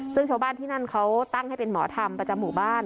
ซึ่งชาวบ้านที่นั่นเขาตั้งให้เป็นหมอธรรมประจำหมู่บ้าน